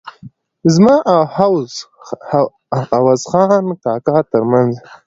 زما او عوض خان کاکا ترمنځ.